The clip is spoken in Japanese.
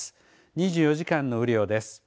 ２４時間の雨量です。